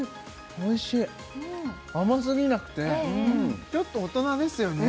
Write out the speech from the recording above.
おいしい甘すぎなくてちょっと大人ですよね